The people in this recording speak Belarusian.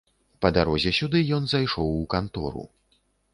Па дарозе сюды ён зайшоў у кантору.